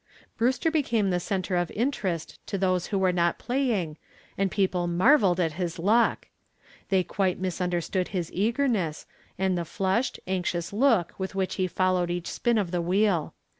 Brewster became the center of interest to those who were not playing and people marveled at his luck. They quite misunderstood his eagerness and the flushed, anxious look with which he followed each spin of the wheel.